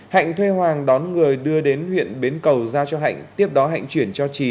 hạnh thuê hoàng đón người đưa đến huyện bến cầu giao cho hạnh tiếp đó hạnh chuyển cho trí